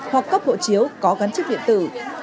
hoặc cấp hộ chiếu có gắn chip điện tử